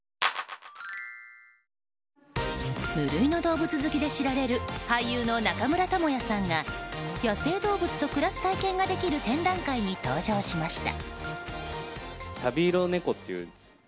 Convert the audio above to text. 無類の動物好きで知られる俳優の中村倫也さんが野生動物と暮らす体験ができる展覧会に登場しました。